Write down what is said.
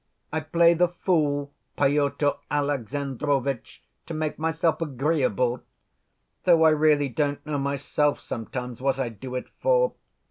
I play the fool, Pyotr Alexandrovitch, to make myself agreeable. Though I really don't know myself, sometimes, what I do it for.